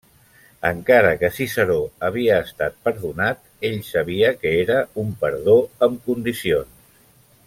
Encara que Ciceró havia estat perdonat, ell sabia que era un perdó amb condicions.